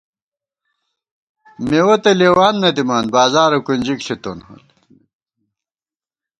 مېوَہ تہ لېوان نہ دِمان بازارہ کُنجِک ݪِتون